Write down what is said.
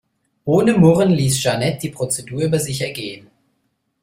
Ohne Murren ließ Jeanette die Prozedur über sich ergehen.